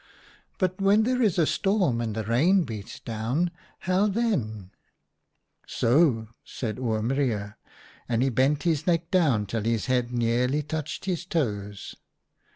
' But when there is a storm and the rain beats down, how then ?'"' So !' said Oom Reijer, and he bent his neck down till his head nearly touched his toes.